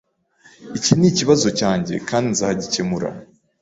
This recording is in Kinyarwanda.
Iki nikibazo cyanjye kandi nzagikemura.